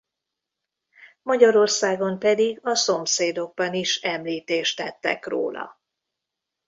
Magyarországon pedig a Szomszédokban is említést tettek róla.